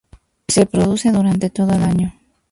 Se reproduce durante todo el año.